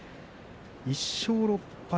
１勝６敗。